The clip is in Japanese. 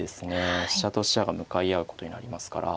飛車と飛車が向かい合うことになりますから。